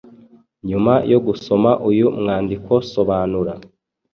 Nyuma yo gusoma uyu mwandiko sobanura.